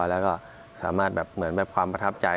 แล้วก็สามารถแบบเหมือนแบบความประทับใจ